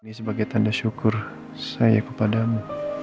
ini sebagai tanda syukur saya kepadamu